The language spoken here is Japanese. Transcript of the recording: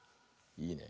いいね。